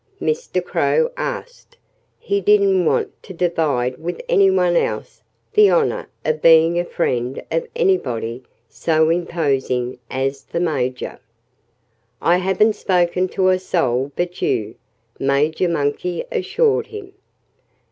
Mr. Crow asked. He didn't want to divide with anyone else the honor of being a friend of anybody so imposing as the Major. "I haven't spoken to a soul but you," Major Monkey assured him.